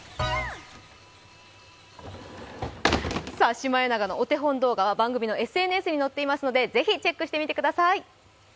シマエナガのお手本動画は番組のＳＮＳにのっていますので是非チェックしてみてください。